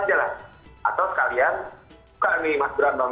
aja lah atau sekalian suka nih mas berantem